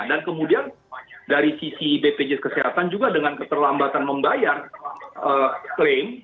dan kemudian dari sisi bpjs kesehatan juga dengan keterlambatan membayar klaim